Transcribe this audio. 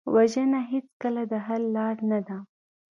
وژنه هېڅکله د حل لاره نه ده